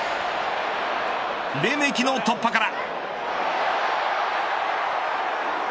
レメキの突破から。